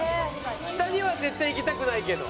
下には絶対いきたくないけど。